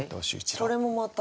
これもまた。